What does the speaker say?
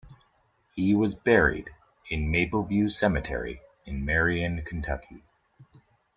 He was buried in Mapleview Cemetery in Marion, Kentucky.